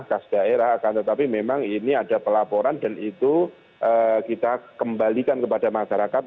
kas daerah akan tetapi memang ini ada pelaporan dan itu kita kembalikan kepada masyarakat